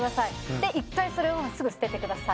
で一回それをすぐ捨ててください。